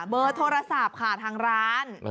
เบอร์โทรศัพท์ค่ะทางร้าน